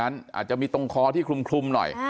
อาจจะมีตรงคอที่คลุมหน่อย